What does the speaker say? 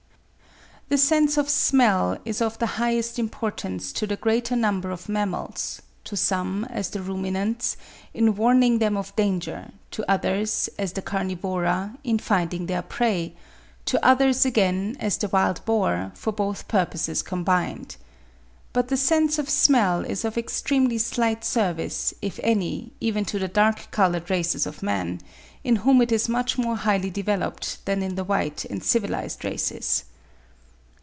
p. 129.) The sense of smell is of the highest importance to the greater number of mammals—to some, as the ruminants, in warning them of danger; to others, as the Carnivora, in finding their prey; to others, again, as the wild boar, for both purposes combined. But the sense of smell is of extremely slight service, if any, even to the dark coloured races of men, in whom it is much more highly developed than in the white and civilised races.